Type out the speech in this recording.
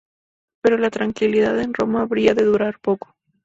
Pero la tranquilidad en Roma habría de durar poco.